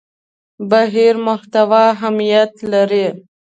بهیر محتوا اهمیت لري.